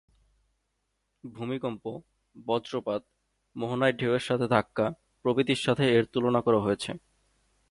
ভূমিকম্প, বজ্রপাত, মোহনায় ঢেউয়ের ধাক্কা প্রভৃতির সাথে এর তুলনা করা হয়েছে।